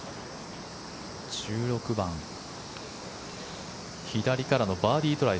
１６番左からのバーディートライ。